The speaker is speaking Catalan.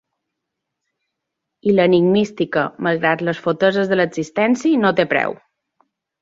I l'enigmística, malgrat les foteses de l'existència, no té preu.